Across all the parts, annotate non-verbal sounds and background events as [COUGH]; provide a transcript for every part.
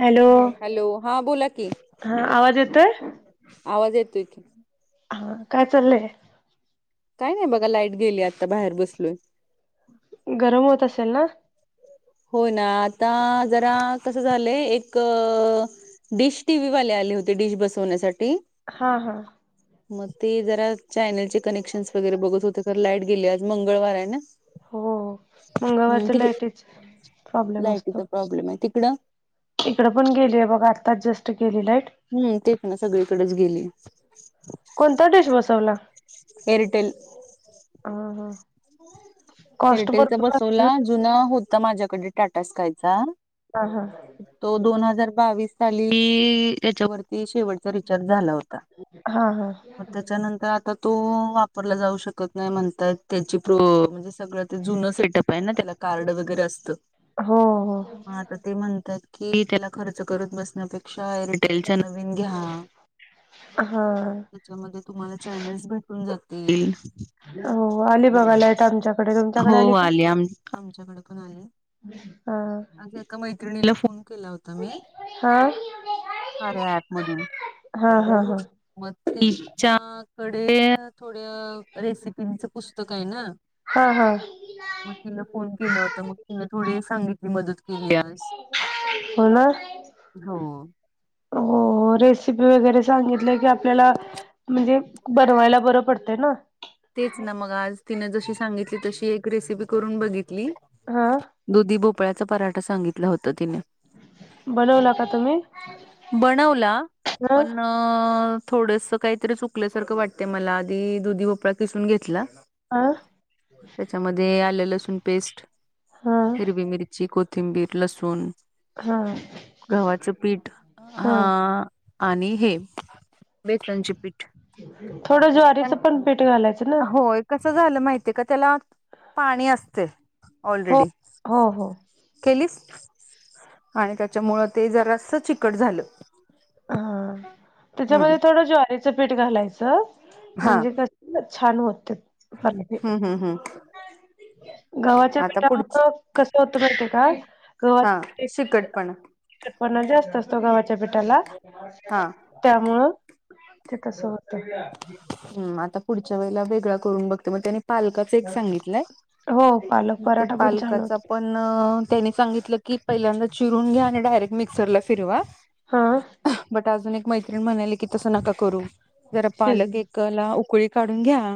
Hello hello, हा बोला कि. हा आवाज येतोय आवाज येतोय की. हा, काय चाललंय? काय नाही बघा लाईट गेली. आता बाहेर बसलोय गरम होत असेल. ना होय ना आता जरा कसं झालंय एक डिश टीव्ही वाले आले होते, डिश बसवण्यासाठी. हा, हा. म ते जरा चॅनलचे कनेक्शन्स वगैरे बघत होते, तर लाईट गेली आज मंगळवारे ना. हो हम्म मंगळवारच तिक लाईटीच प्रॉब्लेम लायटीचा प्रॉब्लेम आहे तिकडं इकडे पण गेलीय बघा आत्ताच जस्ट गेली लाईट हम् ते प ना सगळीकडेच गेली. कोणता डिश बसवला? एअरटेल ह हा कॉस्ट एअरटेलचा भरपूर लागते ना? बसवला जुना होता माझ्याकडे टाटा स्कायचा हा तो दोन हजार बावीस साली त्याच्यावरती शेवट रिचार्ज झाला होता. हा हा हा मग त्याच्यानंतर आता तो वापरला जाऊ शकत नाही. म्हणत त्याची म्हणे सग जुन सेटअप आहे त्या कार्ड वगरे असत. हो हो तर ते म्हणतात की त्याला खर्च करून बसण्यापेक्षा का एअरिटेलच्या नवीन घ्या. हा त्याच्यामध्ये तुम्हाला चॅनल्स भेटून जातील. हो आली बघायलाय आमच्या हो आली आच्याकडे पण हा आले ए मैत्रिणीला फोन केला होता मी हा कार्य ॲप मधून हा हा हा मग तिच्याकडे थोड्या रेसिपीचं पुस्तक आहे. ना हा हा मग तिला फोन केला होता. मग तिन थोडी सांगितली मदत केली आज हो ना [INAUDIBLE] हो हो रेसिपी वगैरे सांगितलं. की आपल्याला म्हणजे बनवायला बरं पडते. ना तेच ना मग आज तिन जशी सांगितली तशी एक रेसिपी करून बघितली हा दुधी भोपळ्याचा पराठा सांगितला होता. तिने बनवला का तुम्ही बनवला ह पण थोडस काहीतरी चुकल्यासारं वाट मला आधी दुधी भोपळ दिसून घेतला ह त्याच्यामध्ये आलं लसूण पेस्ट हा हिरवी मिरची कोथिंबीर कोथिंबीर लसूण हा गव्हाचे पीठ हा आणि हे बेसनचे पीठ थोडं ज्वारीच पण पीठ घालायचं ना होय कसं झालं माहितीय का त्याला पाणी असते हो ऑलरेडी हो हो केलीस आणि त्याच्यामुळ ते जरास चिकट झालं हा हम्म त्याच्यामध्ये थोडं ज्वारीचं पीठ घालायचं हा म्हणजे क छान होते. हम्म हम्म हम्म गवाच्या आता पुढच पेठामध्ये कसं होतं करते का गव हा शिकटपणा पणा जास्त असतो गावाच्या पेठाला हा त्यामुळं ते तस होत. हम् आता पुढच्या वेळेला वेगळा करून बघत मग त्यानी पालक सांगितलंय हो पालक पराठा पण छान पालकाचा होतो पण त्याने सांगितलं. की पहिल्यांदा चिरून घ्या आणि डायरेक्ट मिक्सरला फिरवा हा बट अजून एक मैत्रिणी म्हणाले. की तस नका करू जरा पालक एक ला उकळी काढून घ्या.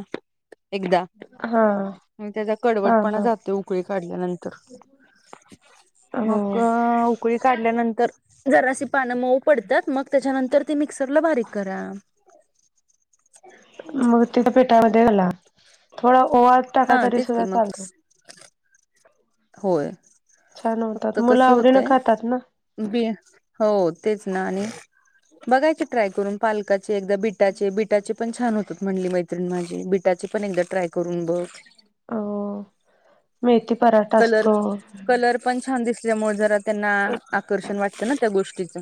एकदा आणि त्याचा हा हा कडवटपणा हा जातो उकळी काढल्यानंतर हो मग कळी काढल्यानंतर जरासी पानं मऊ पडतात मग त्याच्यानंतर त मिक्सरला बारीक करा. मग तिथ पेटामध्ये झाला थोडा ओवा हा टाकाला तरी तेच की सुद्धा मग चालतो. होय छान होतात फक्त मुलं कस आवडीनं होतय. खातात ना बी हो तेच ना आणि बघायची ट्राय करून पालकाची एकदा बीट बटा बिटाचे पण छान होत म्हणले मैत्रिणी माझे बिटाचे पण एकदा ट्राय करून बघ. हो मेथी पराठा कलर असतो. कलर पण छान दिसल्यामुळे जरा त्यांना आकर्षण वाटतं ना त्या गोष्टीचं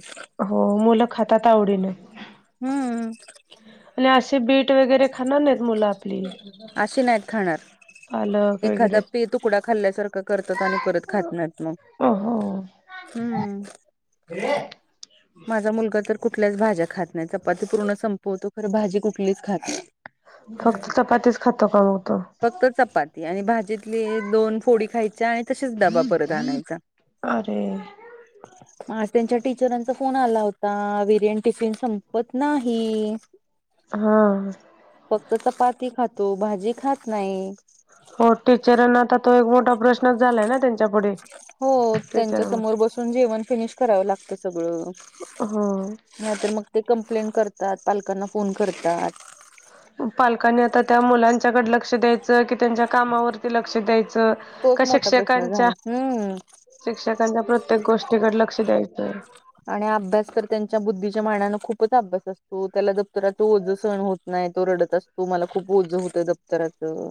हो मुलं खातात आवडीन हम्म. आणि असे बीट वगैरे खाणार नाहीत मुलं आपली अशी नाहीत खाणार पालक वगैरे एखादा पे तुकडा खाल्ल्यासारखा करतात आणि परत खातना मग अ हो. हम्म. ह. माझा मुलगा तर कुठल्याच भाज्या खात नाही चपाती पूर्ण संपवतो खर भाजी कुठलीच खात नाही. फक्त चपातीच खातातो कमवतो. फक्त चपाती आणि भाजीतली दोन फोडी खायची आहे. अरे. ह त्यांच्या टीचरांचा फोन आला होता विरयन टिफिन संपत नाही. हा. फक्त चपाती खातो भाजी खात नाही. हो टीचरां आ तो एक मोठा प्रश्नच झालाय ना त्यांचा हो त्यांच्या समोर बसून जेवण फिनिश करावं लागत सगळ. हो ह तर मग ते कंप्लें करतात पालकांना फोन करतात. पालकांनी आता त्या मुलांच्याकडडे लक्ष द्यायचं की त्यांच्या कामावरती लक्ष द्यायचं. खोच का मोठा प्रश्न झा शिक्षकांच्या हम्म. शिक्षकांच्या प्रत्येक गोष्टीकडे लक्ष द्यायचंय. आणि अभ्यास तर त्यांच्या बुद्धीच्या मानान खूपच अभ्यास असतो त्याला दप्तराात ओज सण होत नाही तो रडत असतो मला खूप ओज होतं दप्तराचं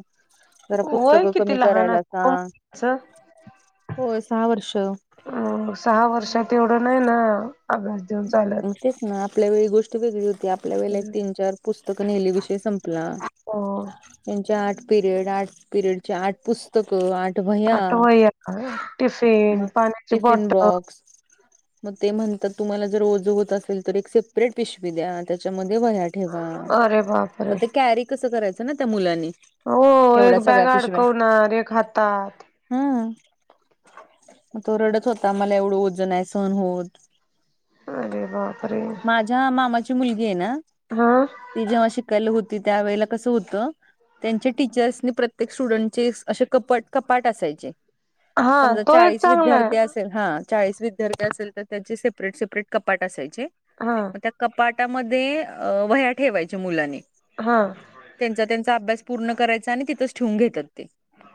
जरा वय पुस्तकं कमी किती लहान करायला असतं सांग. मुलाचं होय सहा वर्ष अ सहा वर्षात एवढं नाही ना अभ्यास देऊन चालत. तेच ना आपल्या वेळी गोष्ट वेगळी होती. आपल्या वेळी तीन चार पुस्तकं नेली विषय संपला. हो त्यांचे आठ पिरियड आठ पिरियडचे आठ पुस्तकं आठ भैय्या आता वय टिफिन [INAUDIBLE] पाण्याची बॉटल मग ते म्हणतात तुम्हाला जर ओझं होत असेल तर एक सेपरेट पिशवी द्या त्यांच्यामध्ये वह्या ठेवा अरे बापरे ते कॅरी कसं करायचं ना त्या मुलांनी हो एक बॅग अडकवणार एक हातात. हं तो रडच होता मला एवढं ओझं नाही सहण होत. अरे बापरे! माझ्या मामाची मुलगी आहे ना. हा. ती जेव्हा शिकायली होती त्यावेेळेला कसं होतं. त्यांचे टीचर्स प्रत्येक स्टुडंटचे असे कपट कपाट असायचे. हा समजा तो एक चाळीस चांगला विद्यार्थी आहे अस. हा चाळीस विद्यार्थी असेल तर त्यांचे सेपरेट सेपरेट कपाट असायचे. हा ग त्या कपाटामध्ये वह्या ठेवायच्या मुलांनी. हा. त्यांचा त्यांचा अभ्यास पूर्ण करायचा आणि तिथंच ठेवून घेतात ते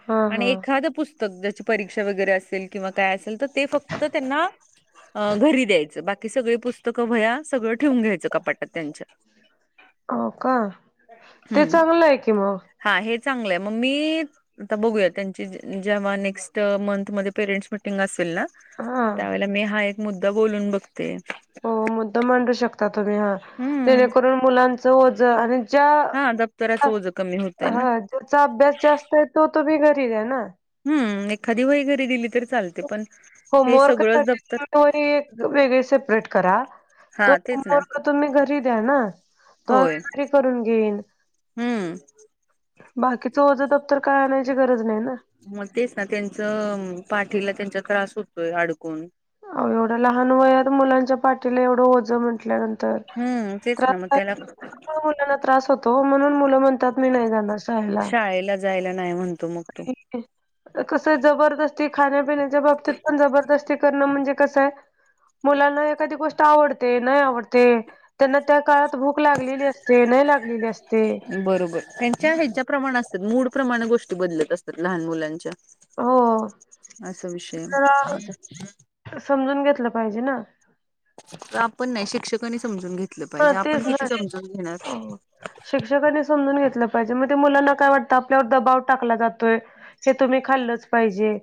हा आणि हा एखादं पुस्तक सध्याची परीक्षा वगैरे असेल किंवा काय असेल तर ते फक्त त्यांना घरी बाकी सगळी पुस्तकं वह्या सगळं ठेवून घ्यायचं. हो का, तर हम्म चांगलं आहे की मग. हा हे चांगलंय मग मी आता बघूया त्यांची जेंव्हा नेक्स्ट मंथ मध्ये पेरेंट्स मिटिंग असेल ना. हा त्यावेळेला मी हा एक मुद्दा बोलून बघते. हो मुद्दा मांडू शकता तुम्ही हा हम्म जेणेकरून मुलांचं ओझं. ज्या हा दप्तराचं ओझं कमी होतय ना हा ज्याचा अभ्यास जास्त आहे ती तुम्ही घरी द्या ना. हम्म एखादी वही घरी दिली तरी चालते पण हे होमवर्क सगळंच साठी दप्तर एक वही वेगळी सेपरेट करा. तो हा तेच ना होमवर्क तुम्ही घरी द्या तो होय आम्ही घरी करून घेईल. हम्म बाकीचं ओझं दप्तर काय आणायची गरज नाही ना. मग तेच ना तेचं पाटीला त्रास होतोय अडकून. अ एवढ्या लहान वयात मुलांच्या पाठीला एवढं ओझं म्हंटल्यानंतर. हम्म. त्रास होतो म्हणून मुलं म्हणतात मी नाही जाणार शाळेला. जायला नाही म्हणतो मग तो कसं जबरदस्ती खाण्यापिण्याच्या बाबतीत पण जबरदस्ती. करणं म्हणजे कसय मुलांना एखादी गोष्ट आवडते नाय आवडते. त्यांना त्या काळात भूक लागलेली असते नाही लागलेली असते. बरोबर त्यांच्या ह्याच्या प्रमाण असतात मूड प्रमाणे गोष्टी बदलत असतात लहान मुलांच्या. हो असा विषय जरा आता. समजून घेतलं पाहिजे ना. तर आपण नाही शिक्षकांनी समजून घेतलं हा पाहिजे आपण तेच ना किती समजून घेणार. हो. शिक्षकांनी समजून घेतलं पाहिजे मग ते मुलांना काय वाटतं आपल्यावर दबाव टाकला जातोय. ते तुम्ही खाल्लच पाहिजे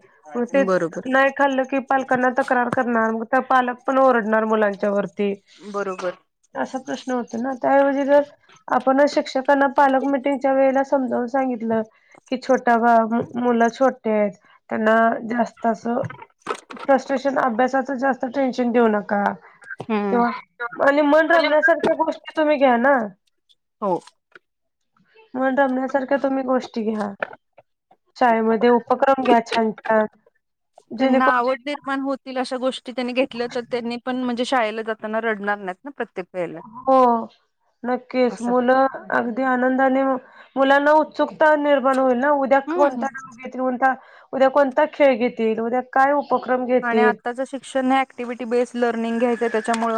ते बरोबर नाही खाल्लं की पालकांना तक्रार. करणार मग पालक पण ओरडणार मुलांच्या वरती. बरोबर. असा प्रश्न होत ऐवजी जर आपणच शिक्षकांना पालक मिीटिंगच्या वेळेला समजावून सांगितलं की छोटा मुलं छोटे आहेत त्यांना जास्त असं. फ्रस्ट्रेशन अभ्यासाचं जास्त टेन्शन देऊ नका. का हम्म तेंहा आणि मन रमण्यासारख्या गोष्टी तुम्ही घ्या ना. हो. मण रमण्यासारख्या तुम्ही गोष्टी घ्या. चाळेमध्ये उपक्रम घ्या छान छान. त्यांना जेणेकरून आवड निर्माण होतील अशा गोष्टी त्यांनी घेतल्या तर त्यांनी पण म्हणजे शाळेला जात. ना रडणार नाही. प्रत्येक वेळीला. हो नक्कीच मुलं. अगदी आनंदाने मुलांना उत्सुकता निर्माण होईल ना उद्या हम्म कोणता ना कोणता उद्या कोणता खेळ घेतील उद्या काय उपक्रम आणि घेतील. आताचं शिक्षण ऍक्टिव्हिटी बेस्ट लर्निंग घ्यायचं त्याच्यामुळ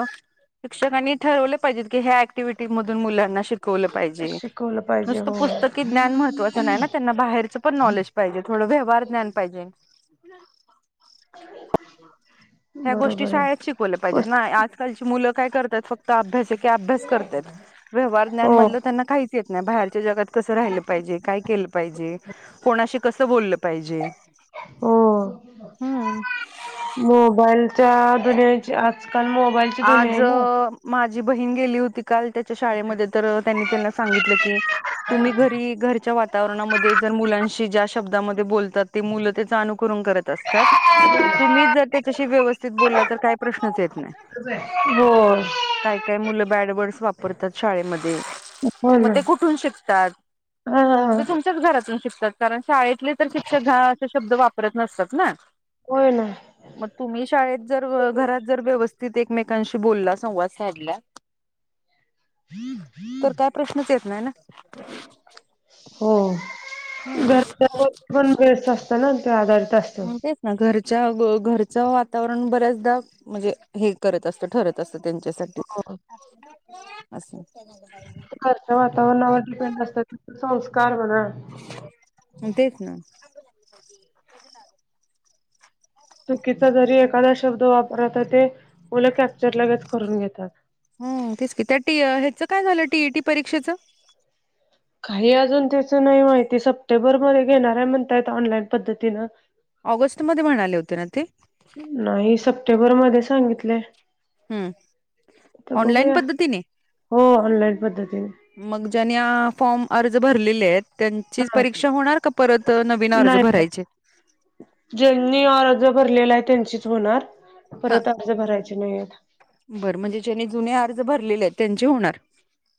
शिक्षकांनी ठरवले पाहिजे की ह्या एक्टिव्हिटी मधून मुलांना शिकवा शिकवलं पाहिजे शिकवलं पाहिजे नुसत हो पुस्तकी ज्ञान महत्त्व नाही ना. त्यांना बाहेरचं पण नॉलेज पाहिजे थोडं व्यवहार ज्ञान पाहिजे. ह्या गोष्टी बरोबर आहे. शाळेत शिकवल्या पाहिजेत ना आजकालची मुलं काय करतात फक्त अभ्यास एक अभ्यास करतायेत व्यवहार ज्ञान हो मधल त्यांना काहीच येत नाही बाहेरच्या जगात कसं राहिलं पाहिजे काय केलं पाहिजे कोणाशी कसं बोललं पाहिजे. हो हम्म मोबाईलच्या दुनियाची आजकाल मोबाइल आज माझी बहीण गेली होती काल त्याच्या शाळेमध्ये तर त्यांनी त्यांना सांगितलं की तुम्ही घरी घरच्या वाता वातावरणामध्ये जर मुलांशी ज्या शब्दामध्ये बोलतात ते मुलं त्याच अनुकरण करत असतात. तुम्हीच जर त्याच्याशी व्यवस्थित बोलला तर काही प्रश्नच येत नाही. होय.. काय काय मुलं बॅडवर्डस वापरतात शाळेमध्ये हो मग ना ते कुठून शिकतात. हा तुमच्याच घरातून शिकतात कारण शाळेतले तर शिक्षक घान असे शब्द वापरत नसतात ना होय ना. मग तुम्ही शाळेत जर घरात जर व्यवस्थित एकमेक कांशी बोलला संवाद साधला. तर काय प्रश्नच येत नाही ना. हो ना घर पणे ते आधारितत. म्हण तेच ना घरच्या घरचं वातावरण बऱ्याचदा म्हणजे हे करत असतं ठरत. तस त्यांच्यासाठी असं. घरच्या वातावरणावर डिपेंड असत संस्कार म्हणा. तेच ना. चुकीचा जरी एखादा शब्द वापरला तर ते मुलं कॅप्चर लगेच करून घेतात. हो तेच की त्या टी ह्याच काय झालं टीईटी परीक्षेचं. काही अजून त्याच नाही माहिती सप्टेंबरमध्ये घेणार आहे म्हणतायेत ऑनलाईन पद्धतीनं. ऑगस्ट मध्ये म्हणाले होते ना ते. नाही सप्टेंबर मध्ये सांगितलेय. हम् ऑनलाईन बघूया. पद्धतीने. हो ऑनलाईन पद्धतीने. मग ज्याने फॉर्म अर्ज भरलेले आहेत. त्यांची हा परीक्षा होणार का परत नवीन अर्ज नाही नाही, भरायचे. ज्यांनी अर्ज भरलेला आहे त्यांचीच होणार हा. परत अर्ज भरायचे. जिनद. बरं म्हणजे ज्यांनी जुने अर्ज भरलेले आहेत त्यांचे होणार.